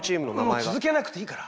もう続けなくていいから。